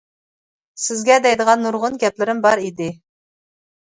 سىزگە دەيدىغان نۇرغۇن گەپلىرىم بار ئىدى.